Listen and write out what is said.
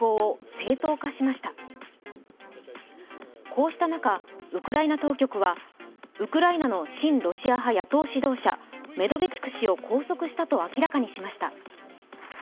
こうした中、ウクライナ当局はウクライナの親ロシア派野党指導者・メドベチュク氏を拘束したと明らかにしました。